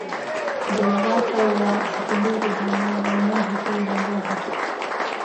ދެއްވާފައިވާ ސިކުނޑީގެ ބޭނުން އޭނާ ހިފީ ރަނގަޅު ގޮތަށް